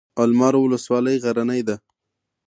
المار ولسوالۍ غرنۍ ده؟